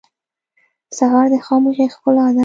سهار د خاموشۍ ښکلا ده.